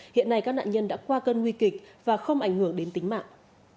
hiện nay các nạn nhân đã qua cơn nguy kịch và không ảnh hưởng đến tính mạng